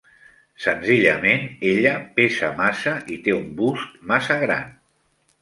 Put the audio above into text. Senzillament ella pesa massa i té un bust massa gran.